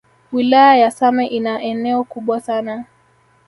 Wilaya ya same ina eneo kubwa sana